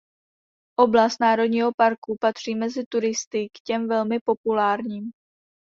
Oblast národního parku patří mezi turisty k těm velmi populárním.